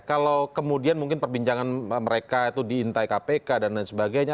kalau kemudian mungkin perbincangan mereka itu diintai kpk dan lain sebagainya